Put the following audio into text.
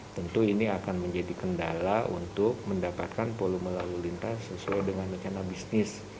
tentu ini akan menjadi kendala untuk mendapatkan volume lalu lintas sesuai dengan rencana bisnis